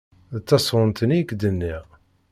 D tasɣunt-nni i k-d-nniɣ.